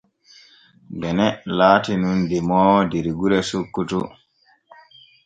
Gene laati nun demoowo der gure Sokkoto.